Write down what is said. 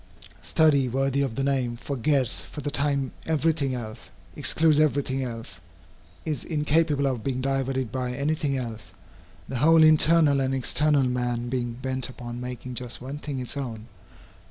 Study, worthy of the name, forgets for the time every thing else, excludes every thing else, is incapable of being diverted by any thing else, the whole internal and external man being bent upon making just one thing its own.